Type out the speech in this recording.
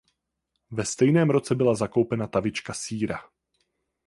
Ve stejném roce byla zakoupena tavička sýra.